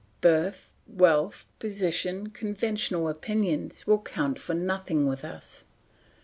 Birth, wealth, position, conventional opinions will count for nothing with us.